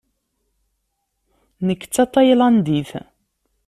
Nekk d tataylandit.